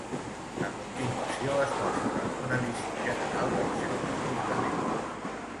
A continuació es mostra una visió general del seu comportament.